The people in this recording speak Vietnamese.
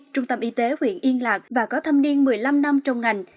trung tâm y tế huyện yên lạc và có thâm niên một mươi năm năm trong ngành